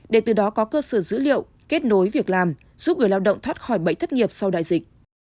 để từ đó có cơ sở dữ liệu kết nối việc làm giúp người lao động thoát khỏi bẫy thất nghiệp sau đại dịch